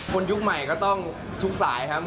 ยุคใหม่ก็ต้องทุกสายครับ